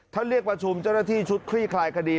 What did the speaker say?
เรียกประชุมเจ้าหน้าที่ชุดคลี่คลายคดี